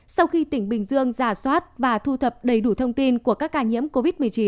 sau khi tỉnh bình dương giả soát và thu thập đầy đủ thông tin của các ca nhiễm covid một mươi chín